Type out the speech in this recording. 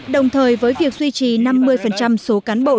đồng thời với việc duy trì năm mươi số cán bộ